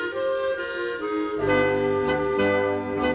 โปรดติดตามต่อไป